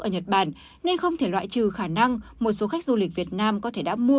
ở nhật bản nên không thể loại trừ khả năng một số khách du lịch việt nam có thể đã mua